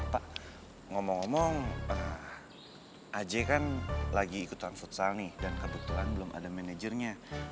pak ngomong ngomong aja kan lagi ikutan futsal nih dan kebetulan belum ada manajernya